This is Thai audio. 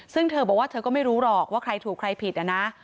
ซึ่งเธอบอกว่าเธอก็ไม่รู้หรอกว่าใครถูกใครผิดนะ